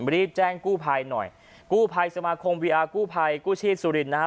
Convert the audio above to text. รีบแจ้งกู้ภัยหน่อยกู้ภัยสมาคมวีอาร์กู้ภัยกู้ชีพสุรินนะครับ